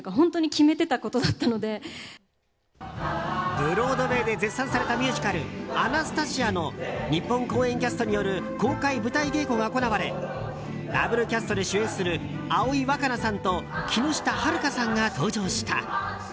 ブロードウェーで絶賛されたミュージカル「アナスタシア」の日本公演キャストによる公開舞台稽古が行われダブルキャストで主演する葵わかなさんと木下晴香さんが登場した。